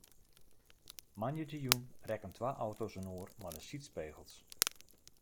Moandeitejûn rekken twa auto's inoar mei de sydspegels.